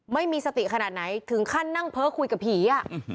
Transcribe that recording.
ไม่มีสติขนาดไหนถึงขั้นนั่งเพ้อคุยกับผี